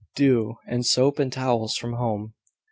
"Do; and soap and towels from home."